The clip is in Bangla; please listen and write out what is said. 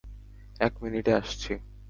এক মিনিটে আসছি।